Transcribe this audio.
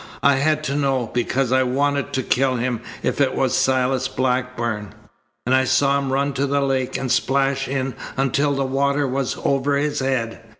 I had to know, because I wanted to kill him if it was Silas Blackburn. And I saw him run to the lake and splash in until the water was over his head."